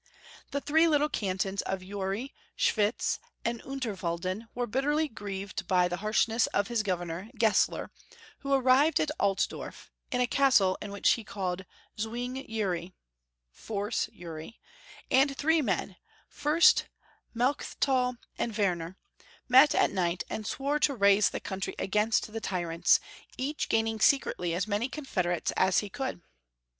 The three little cantons of Uri, Schwitz, and Unterwalden were bitterly grieved by the harshness of his governor, Gesler, who lived at Alt dorf, in a castle which he called Zwing Uri (Force Uri), and three men, Furst, Melchtal, and Werner, met at night and swore to raise the country against the tyrants, each gaining secretly as many con Albrecht. 205 federates as he could.